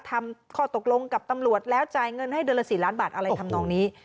ทำข้อตกลงกับตำรวจแล้วจ่ายเงินให้เดือนละ๔ล้านบาทอะไรทำนองนี้